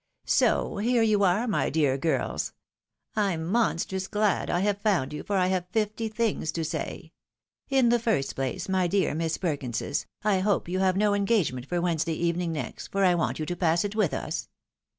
" So ! here you are, my dear girls ! I'm monstrous glad I have found you, for I have fifty things to say. In the first place, my dear Miss Perkinses, I hope you have no engagement for Wednesday evening next, for I want you to pass it with us."